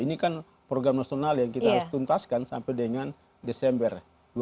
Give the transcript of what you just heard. ini kan program nasional yang kita harus tuntaskan sampai dengan desember dua ribu dua puluh